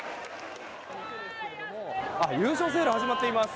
優勝セール始まっています。